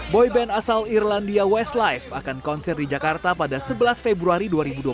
boyband asal irlandia westlife akan konser di jakarta pada sebelas februari dua ribu dua puluh satu